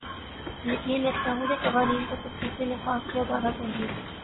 یقین رکھتا ہوں کہ قوانین کا سختی سے نفاذ کیا جانا چاھیے